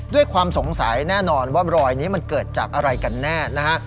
ด้วยความสงสัยแน่นอนว่ารอยนี้มันเกิดจากอะไรกันแน่นะฮะ